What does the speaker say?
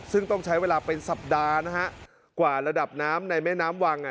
ซึ่งต้องใช้เวลาเป็นสัปดาห์นะฮะกว่าระดับน้ำในแม่น้ำวังอ่ะ